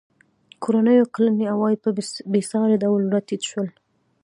کورنیو کلني عواید په بېساري ډول راټیټ شول.